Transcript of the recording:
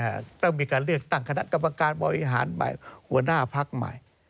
แต่สิ้นปีนี้ต้องมีการเลือกตั้งคณะกรรมการบริหารหัวหน้าพลักษณ์ใหม่